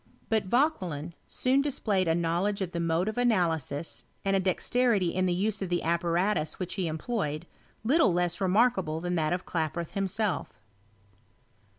But Vauquelin soon displayed a knowledge of the mode of analysis, and a dexterity in the use of the apparatus which he em ployed, little less remarkable than that of Klaproth himself.